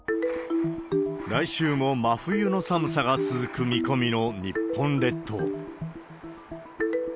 来週も真冬の寒さが続く見込みの日本列島。